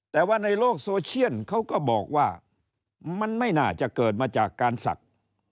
แต่ว่าในโลกโซเชียลเขาก็บอกว่ามันไม่น่าจะเกิดมาจากการศักดิ์